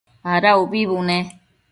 Ada ubi bune?